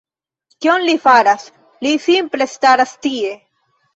Kion li faras? Li simple staras tie!